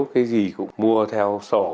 cái gì cũng mua theo sổ